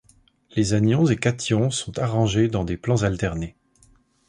Les anions et cations sont arrangés dans des plans alternés.